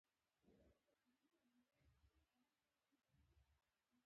علم د څراغ په معنا دي.